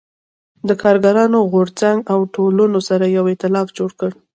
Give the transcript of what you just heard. د کارګرانو غو رځنګ او ټولنو سره یو اېتلاف جوړ کړ.